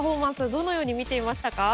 どのように見ていましたか？